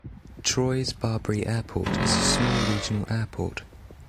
Troyes - Barberey Airport is a small regional airport.